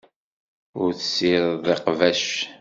Ur tessirideḍ iqbac.